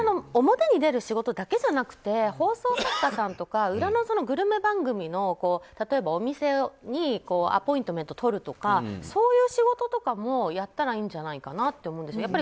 表に出る仕事だけじゃなくて放送作家さんとか裏のグルメ番組の、例えばお店にアポイントメントとるとかそういう仕事とかもやったらいいんじゃないかなって思うんです。